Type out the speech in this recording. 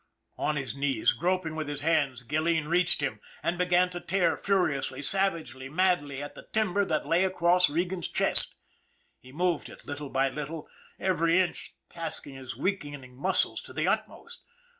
On his knees, groping with his hands, Gilleen reached him, and began to tear furiously, savagely, madly, at the timber that lay across Regan's chest. He moved it little by little, every inch tasking his weaken ing muscles to the utmost.